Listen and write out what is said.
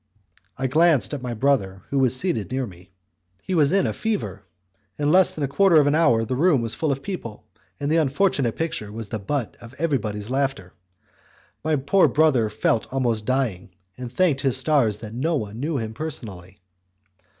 I glanced at my brother, who was seated near me; he was in a fever. In less than a quarter of an hour the room was full of people, and the unfortunate picture was the butt of everybody's laughter. My poor brother felt almost dying, and thanked his stars that no one knew him personally.